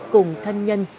cùng thân nhân